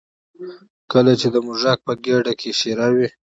کله چې د موږک په ګېډه کې شېره وي.